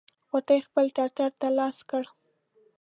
غوټۍ خپل ټټر ته لاس کړ.